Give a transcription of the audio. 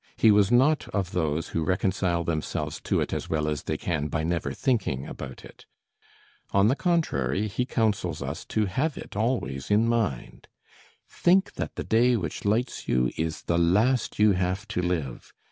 He was not of those who reconcile themselves to it as well as they can by never thinking about it. On the contrary, he counsels us to have it always in mind. "Think that the day which lights you is the last you have to live.